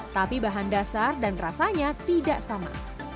tapi bahan dasar dan rasanya tidak sama